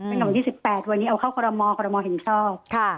เป็นกล่องที่๑๘วันนี้เอาเข้ากรมเห็นชอบ